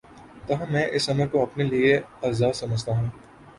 تاہم میں اس امر کو اپنے لیے اعزا ز سمجھتا ہوں